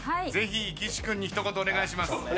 ぜひ岸君に一言お願いします。